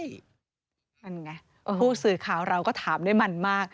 นั่นไงผู้สื่อข่าวเราก็ถามด้วยมันมาก